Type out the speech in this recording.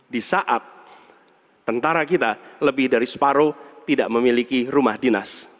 di saat tentara kita lebih dari separoh tidak memiliki rumah dinas